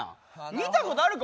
見たことあるか？